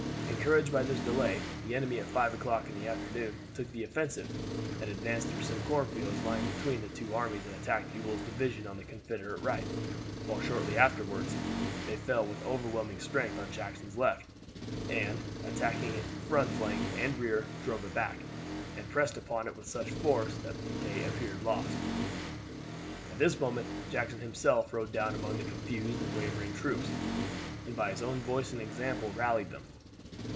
Encouraged by this delay, the enemy at five o'clock in the afternoon took the offensive and advanced through some cornfields lying between the two armies and attacked Ewell's division on the Confederate right; while shortly afterward they fell with overwhelming strength on Jackson's left, and, attacking it in front, flank, and rear, drove it back, and pressed upon it with such force that the day appeared lost. At this moment Jackson himself rode down among the confused and wavering troops, and by his voice and example rallied them.